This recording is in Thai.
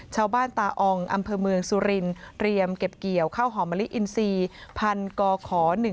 ชาวบ้านตาอองอำเภอเมืองสุรินเตรียมเก็บเกี่ยวข้าวหอมมะลิอินซีพันกข๑๕